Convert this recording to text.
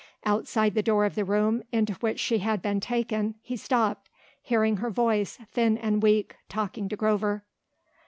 Outside the door of the room into which she had been taken he stopped, hearing her voice, thin and weak, talking to Grover.